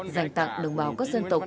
giành tạc đồng bào các dân tộc